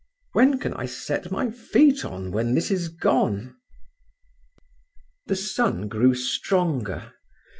When can I set my feet on when this is gone?" The sun grew stronger.